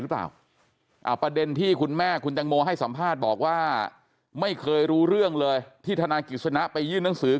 หรือเปล่าประเด็นที่คุณแม่คุณแตงโมให้สัมภาษณ์บอกว่าไม่เคยรู้เรื่องเลยที่ธนายกิจสนะไปยื่นหนังสือ